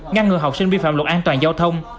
ngăn ngừa học sinh vi phạm luật an toàn giao thông